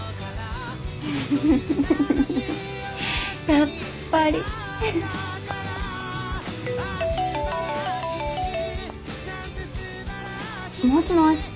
やっぱり。もしもし。